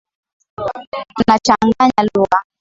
Tunachanganya lugha